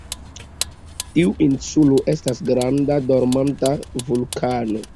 Tiu insulo estas granda dormanta vulkano.